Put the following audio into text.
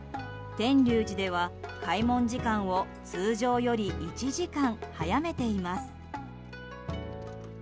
天龍寺では開門時間を通常より１時間早めています。